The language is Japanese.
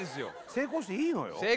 成功していいのよ？